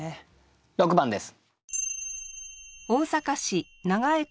６番です。